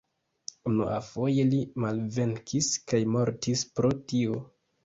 Unuafoje li malvenkis kaj mortis pro tio.